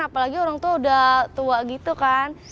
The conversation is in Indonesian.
apalagi orang tua udah tua gitu kan